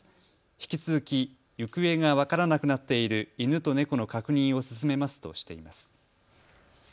引き続き行方が分からなくなっている犬と猫の確認を進めますとしています。